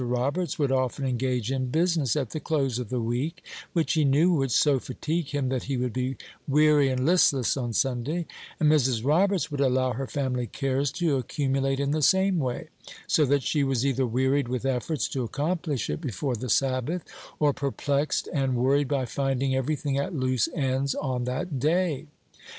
Roberts would often engage in business at the close of the week, which he knew would so fatigue him that he would be weary and listless on Sunday; and Mrs. Roberts would allow her family cares to accumulate in the same way, so that she was either wearied with efforts to accomplish it before the Sabbath, or perplexed and worried by finding every thing at loose ends on that day.